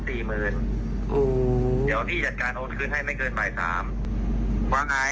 เดี๋ยวพี่จัดการโอนขึ้นให้ไม่เกินบ่าย๓